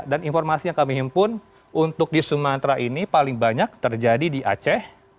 dan informasi yang kami himpun untuk di sumatera ini paling banyak terjadi di aceh